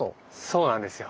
そうなんですよ。